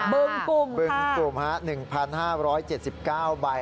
บึงกุ่มค่ะบึงกุ่มค่ะ๑๕๗๙ใบ